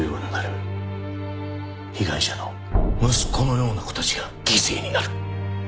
被害者の息子のような子たちが犠牲になる。